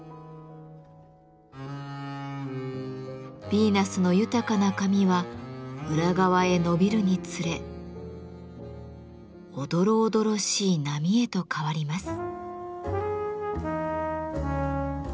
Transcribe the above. ヴィーナスの豊かな髪は裏側へ伸びるにつれおどろおどろしい波へと変わります。